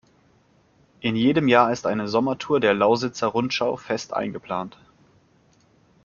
In jedem Jahr ist eine Sommertour der Lausitzer Rundschau fest eingeplant.